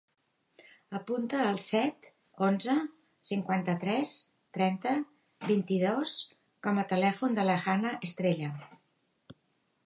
Apunta el set, onze, cinquanta-tres, trenta, vint-i-dos com a telèfon de la Hannah Estrella.